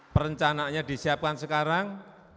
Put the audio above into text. perencanaannya disiapkan sekarang